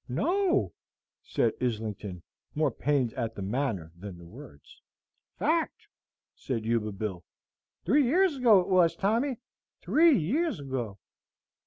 "No," said Islington, more pained at the manner than the words. "Fact," said Yuba Bill. "Three years ago it was, Tommy, three years ago!"